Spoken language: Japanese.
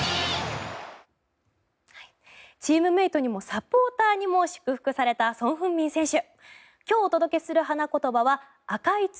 チームメートにもサポーターにも祝福されたソン・フンミン選手。